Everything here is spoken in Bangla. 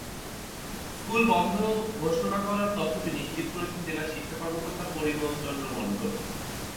স্কুল বন্ধ ঘোষণা করার তথ্যটি নিশ্চিত করেছেন জেলা শিক্ষা কর্মকর্তা পরিমল চন্দ্র মণ্ডল।